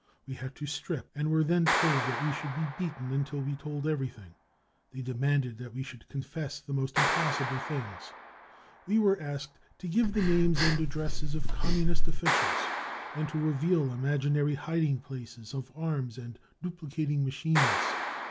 We had to strip, and were then told that we should be beaten until we told everything. They demanded that we should confess the most impossible things. We were asked to give the names and addresses of Communist officials, and to reveal imaginary hiding places of arms and duplicating machines.